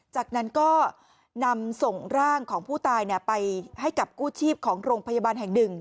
จากนั้นก็นำส่งร่างของผู้ตายไปให้กับกู้ชีพของโรงพยาบาลแห่งหนึ่ง